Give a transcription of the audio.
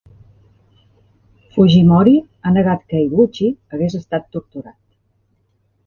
Fujimori ha negat que Higuchi hagués estat torturat.